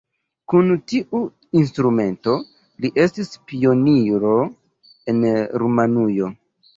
Kun tiu instrumento li estis pioniro en Rumanujo.